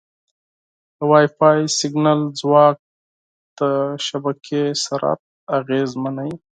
د وائی فای سیګنال ځواک د شبکې سرعت اغېزمنوي.